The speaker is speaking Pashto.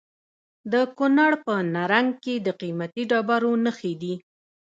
د کونړ په نرنګ کې د قیمتي ډبرو نښې دي.